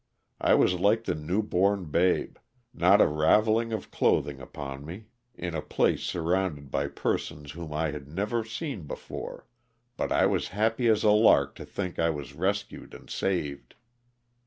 I was like the new born babe, not a raveling of clothing upon me, in a place surrounded by persons whom I had never seen before, but I was happy as a lark to think I was rescued and saved.